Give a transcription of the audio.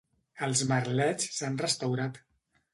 Els merlets s'han restaurat.